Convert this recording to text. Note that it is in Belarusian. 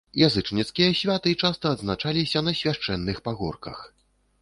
Язычніцкія святы часта адзначаліся на свяшчэнных пагорках.